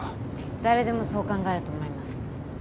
誰でもそう考えると思います。